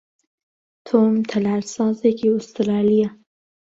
تۆم تەلارسازێکی ئوسترالییە.